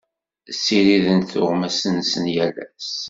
Ssirident tuɣmas-nsent yal ass.